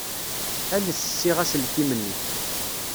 Ales ssiɣ aselkim-nni.